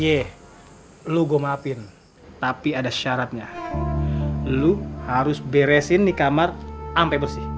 iye lu gua maafin tapi ada syaratnya lu harus beresin di kamar sampai bersih